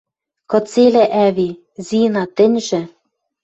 Кыцелӓ, ӓви? Зина, тӹньжӹ?